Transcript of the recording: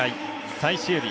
最終日。